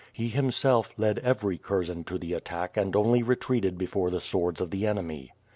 He, himself, led every kurzen to the attack and only retreated before the swords of the enemy.